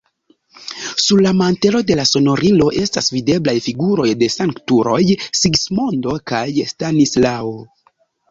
Sur la mantelo de la sonorilo estas videblaj figuroj de sanktuloj: Sigismondo kaj Stanislao.